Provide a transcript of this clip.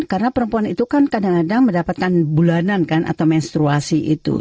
karena perempuan itu kan kadang kadang mendapatkan bulanan kan atau menstruasi itu